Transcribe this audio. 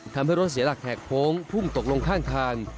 ทำให้รถเสียหลักแหกโค้งพุ่งตกลงข้างทาง